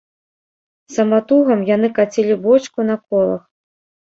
Саматугам яны кацілі бочку на колах.